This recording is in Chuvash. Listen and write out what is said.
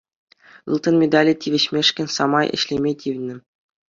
Ылтӑн медале тивӗҫмешкӗн самай ӗҫлеме тивнӗ.